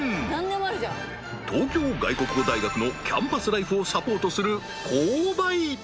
［東京外国語大学のキャンパスライフをサポートする購買］